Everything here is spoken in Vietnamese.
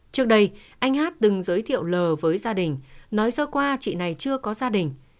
trước đây anh hát từng giới thiệu lờ với gia đình nói sơ qua chị này chưa có gia đình